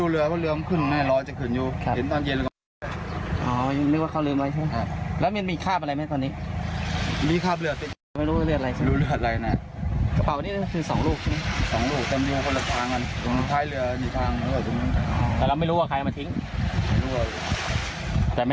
เรือเราลากมาวันไหนครับ